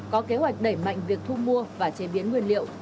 có kế hoạch đẩy mạnh việc thu mua và chế biến nguyên liệu